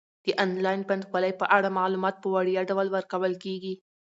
د انلاین بانکوالۍ په اړه معلومات په وړیا ډول ورکول کیږي.